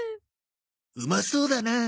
うまそうだな。